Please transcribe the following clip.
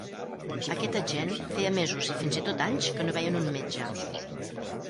Aquesta gent feia mesos i fins i tot anys que no veien un metge.